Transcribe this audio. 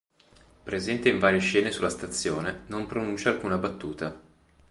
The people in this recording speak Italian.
Presente in varie scene sulla stazione, non pronuncia alcuna battuta.